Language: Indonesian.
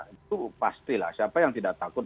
itu pastilah siapa yang tidak takut